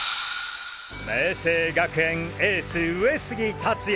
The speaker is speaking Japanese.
明青学園エース上杉達也。